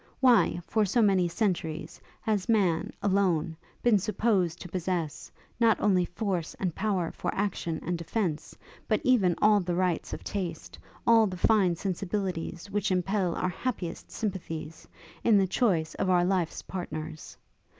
Why, for so many centuries, has man, alone, been supposed to possess, not only force and power for action and defence, but even all the rights of taste; all the fine sensibilities which impel our happiest sympathies, in the choice of our life's partners?